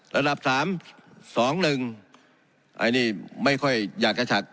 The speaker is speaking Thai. ระดับสามสองหนึ่งอันนี้ไม่ค่อยอยากจะฉัก